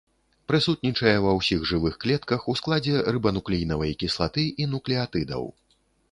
Прысутнічае ва ўсіх жывых клетках ў складзе рыбануклеінавай кіслаты і нуклеатыдаў.